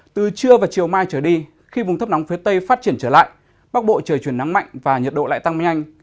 từ trưa và chiều mai trở đi khi vùng thấp nóng phía tây phát triển trở lại bắc bộ trời chuyển nắng mạnh và nhiệt độ lại tăng nhanh